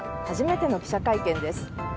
初めての記者会見です。